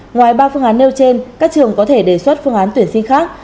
ngoài ba phương án nêu trên các trường có thể đề xuất phương án tuyển sinh khác